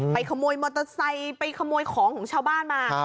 ขโมยมอเตอร์ไซค์ไปขโมยของของชาวบ้านมา